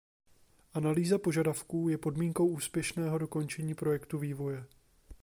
Analýza požadavků je podmínkou úspěšného dokončení projektu vývoje.